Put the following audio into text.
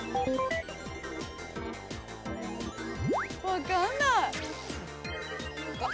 わかんない！